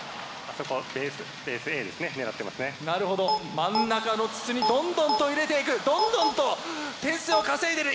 真ん中の筒にどんどんと入れていくどんどんと点数を稼いでいる！